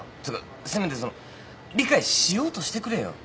つうかせめてその理解しようとしてくれよ。